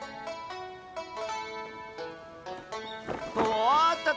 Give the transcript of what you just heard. おっとっ